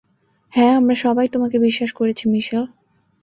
হ্যাঁ, আমরা সবাই তোমাকে বিশ্বাস করেছি, মিশেল।